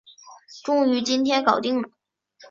终于今天搞定了